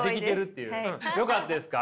よかったですか？